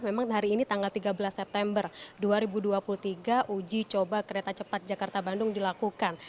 memang hari ini tanggal tiga belas september dua ribu dua puluh tiga uji coba kereta cepat jakarta bandung dilakukan